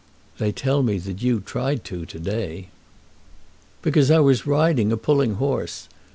"They tell me that you tried to to day." "Because I was riding a pulling horse.